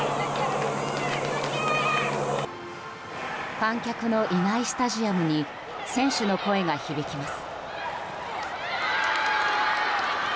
観客のいないスタジアムに選手の声が響きます。